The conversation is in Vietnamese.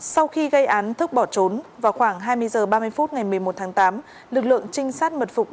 sau khi gây án thức bỏ trốn vào khoảng hai mươi h ba mươi phút ngày một mươi một tháng tám lực lượng trinh sát mật phục